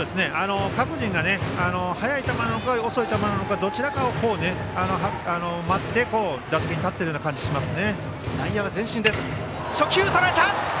各人が速い球なのか遅い球なのかどちらかを待って打席に立っているような初球、とらえた！